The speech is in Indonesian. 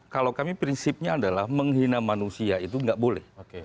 kalau kami prinsipnya adalah menghina manusia itu nggak boleh